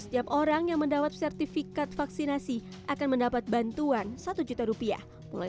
setiap orang yang mendapat sertifikat vaksinasi akan mendapat bantuan satu juta rupiah mulai